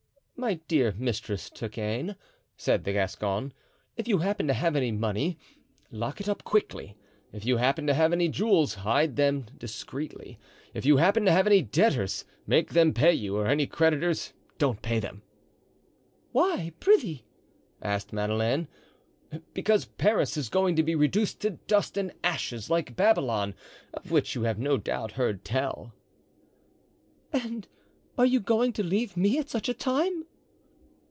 "My dear Mistress Turquaine," said the Gascon, "if you happen to have any money, lock it up quickly; if you happen to have any jewels, hide them directly; if you happen to have any debtors, make them pay you, or any creditors, don't pay them." "Why, prithee?" asked Madeleine. "Because Paris is going to be reduced to dust and ashes like Babylon, of which you have no doubt heard tell." "And are you going to leave me at such a time?"